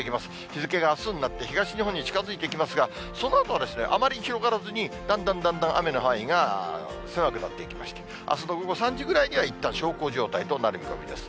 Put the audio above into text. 日付があすになって、東日本に近づいてきますが、そのあとはあまり広がらずに、だんだんだんだん雨の範囲が狭くなってきまして、あすの午後３時ぐらいには、いったん、小康状態となる見込みです。